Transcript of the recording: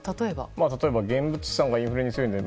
例えば、現物資産はインフレにも強いです。